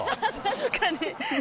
確かに。